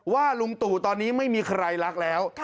ลุงตู่ตอนนี้ไม่มีใครรักแล้ว